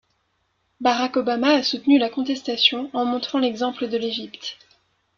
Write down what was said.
Barack Obama a soutenu la contestation en montrant l'exemple de l'Égypte.